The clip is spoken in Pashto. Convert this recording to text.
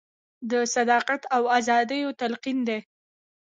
د صداقت او ازادیو تلقین دی.